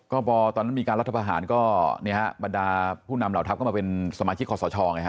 ก็พอตอนนั้นมีการรัฐประหารก็เนี่ยฮะบรรดาผู้นำเหล่าทัพก็มาเป็นสมาชิกคอสชไงฮะ